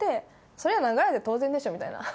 「そりゃ殴られて当然でしょ」みたいな。